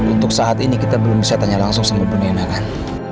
untuk saat ini kita belum bisa tanya langsung sama pendina kan